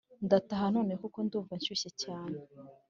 Ndataha none kuko ndumva nshyushye cyane